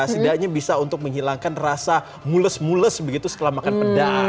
setidaknya bisa untuk menghilangkan rasa mules mules begitu setelah makan pedas